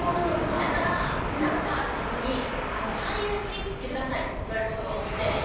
だから何かあるたんびに俳優好きって言ってくださいって言われることが多くて。